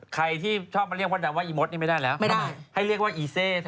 ใครที่ชอบมาเรียกผู้ดำว่าอิหมดนี้ไม่ได้แล้วทำอย่างไง